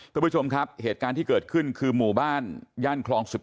คุณผู้ชมครับเหตุการณ์ที่เกิดขึ้นคือหมู่บ้านย่านคลอง๑๑